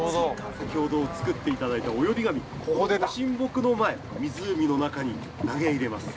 ◆先ほど作っていただいたおより紙ご神木の前湖の中に投げ入れます。